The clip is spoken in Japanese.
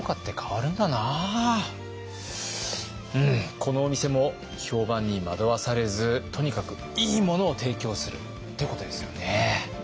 このお店も評判に惑わされずとにかくいいものを提供するってことですよね。